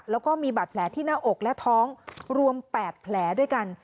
แล้วก็มีบาดแผลที่หน้าอกและท้องรวม๘แผลด้วยกัน